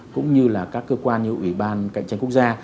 cũng như là các cơ quan như ủy ban cạnh tranh quốc gia